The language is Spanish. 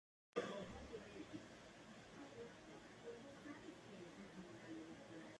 Ni el regimiento ni los cuerpos tienen almacenes.